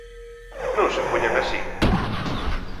Non se poñan así.